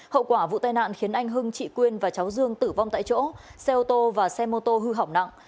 hậu quả vụ tai nạn khiến anh hưng chị quyên và cháu dương tử vong tại chỗ xe ô tô và xe mô tô hư hỏng nặng